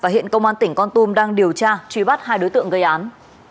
hiện công an tỉnh con tum đang điều tra truy bắt hai đối tượng gây án